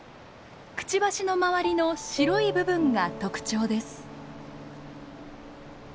くちばしの周りの白い部分が特徴です。